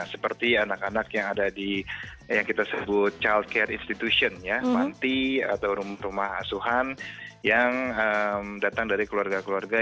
seperti anak anak yang ada di yang kita sebut child care institution ya panti atau rumah asuhan yang datang dari keluarga keluarga